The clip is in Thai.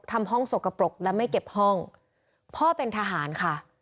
ทำห้องสกปรกและไม่เก็บห้องพ่อเป็นทหารค่ะ